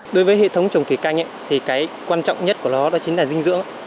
đối với hệ thống trồng thủy canh quan trọng nhất của nó chính là dinh dưỡng